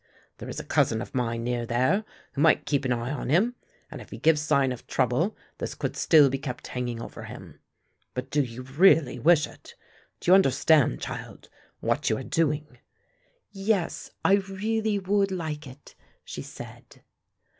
There is a cousin of mine near there who might keep an eye on him, and if he gives sign of trouble this could still be kept hanging over him. But do you really wish it? Do you understand, child, what you are doing?" "Yes, I really would like it," she said.